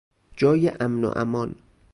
جای امن و امان